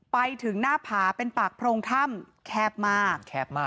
ไปถึงหน้าผาเป็นปากโพรงท่ำแคบมาก